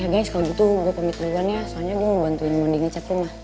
oh ya guys kalau gitu gue pamit duluan ya soalnya gue mau bantuin mondi ngecat rumah